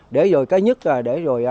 để rồi cái nhất là để rồi